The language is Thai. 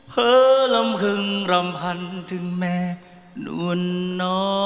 เผอร์ลำคึงลำพันธุ์ถึงแม่นวลน้อ